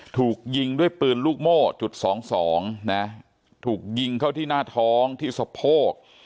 ถูกยิงด้วยปืนลูกโม่จุดสองสองนะถูกยิงเข้าที่หน้าท้องที่สะโพก